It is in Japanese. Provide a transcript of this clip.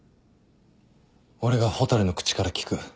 俺が蛍の口から聞く。